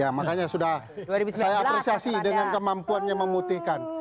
ya makanya sudah saya apresiasi dengan kemampuannya memutihkan